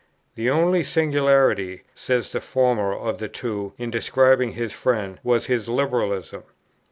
"The only singularity," says the former of the two in describing his friend, "was his Liberalism.